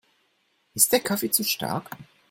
Ist der Kaffee zu stark?